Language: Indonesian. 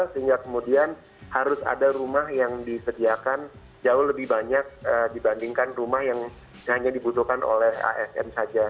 sehingga kemudian harus ada rumah yang disediakan jauh lebih banyak dibandingkan rumah yang hanya dibutuhkan oleh asn saja